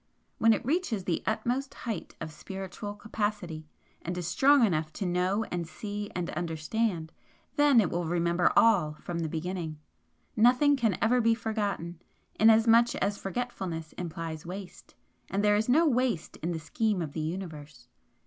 When it reaches the utmost height of spiritual capacity, and is strong enough to know and see and understand, then it will remember all from the beginning. Nothing can ever be forgotten, inasmuch as forgetfulness implies waste, and there is no waste in the scheme of the Universe.